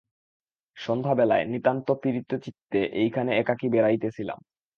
সন্ধ্যাবেলায় নিতান্ত পীড়িতচিত্তে সেইখানে একাকী বেড়াইতেছিলাম।